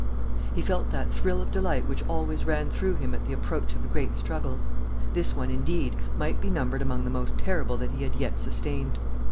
He felt that thrill of delight which always ran through him at the approach of the great struggles. This one, indeed, might be numbered among the most terrible that he had yet sustained.